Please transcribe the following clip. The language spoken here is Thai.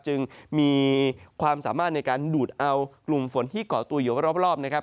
จึงมีความสามารถในการดูดเอากลุ่มฝนที่เกาะตัวอยู่รอบนะครับ